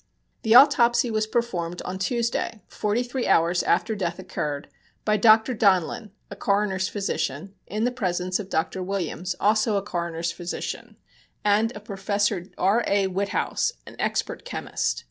The autopsy was performed on Tuesday, forty three hours after death occurred, by Dr. Donlin, a coroner's physician, in the presence of Dr. Williams, also a coroner's physician, and of Professor R. A. Witthaus, an expert chemist.